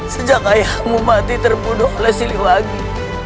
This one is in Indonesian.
sejak ayahmu mati terbunuh oleh siliwangi